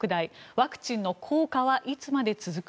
ワクチンの効果はいつまで続く？